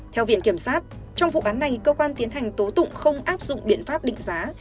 theo viện kiểm sát trong vụ án này cơ quan tiến hành tố tụng không áp dụng biện pháp định giá